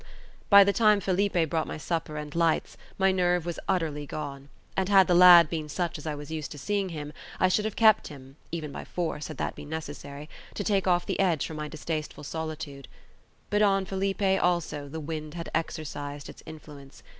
By the time Felipe brought my supper and lights, my nerve was utterly gone; and, had the lad been such as I was used to seeing him, I should have kept him (even by force had that been necessary) to take off the edge from my distasteful solitude. But on Felipe, also, the wind had exercised its influence.